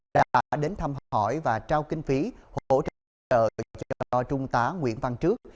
đã đến thăm hỏi và trao kinh phí hỗ trợ cho trung tá nguyễn văn trước